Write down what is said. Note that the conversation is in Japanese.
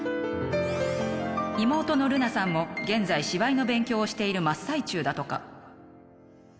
妹の瑠奈さんも現在芝居の勉強をしている真っ最中だとか。